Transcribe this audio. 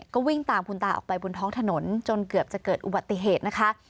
ก็วิ่งตามคุณตาออกไปบนท้องถนนจนเกือบจะเกิดอุบัติเหตุนะคะ